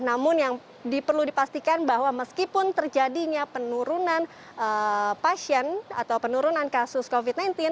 namun yang perlu dipastikan bahwa meskipun terjadinya penurunan pasien atau penurunan kasus covid sembilan belas